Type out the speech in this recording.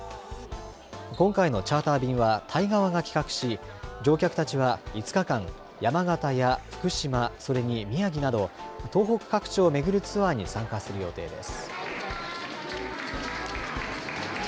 今回のチャーター便はタイ側が企画し、乗客たちは５日間、山形や福島、それに宮城など、東北各地を巡るツアーに参加する予定です。